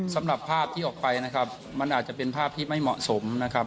สำหรับภาพที่ออกไปมันอาจจะเป็นภาพที่ไม่เหมาะสม